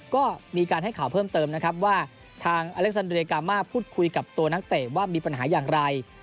ก็มีการให้ข่าวเพิ่มเติมนะครับว่าทางอเล็กซันเรียกามาพูดคุยกับตัวนักเตะว่ามีปัญหาอย่างไร